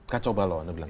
kacau balau anda bilang